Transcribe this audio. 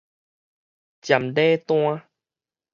瞻禮單